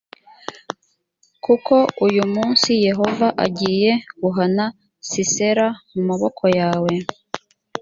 kuko uyu munsi yehova agiye guhana sisera mu maboko yawe